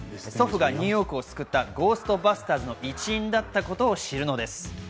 祖父がニューヨークを救ったゴーストバスターズの一員だったことを知るのです。